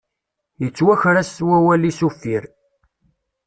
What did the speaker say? Yettwaker-as wawal-is uffir.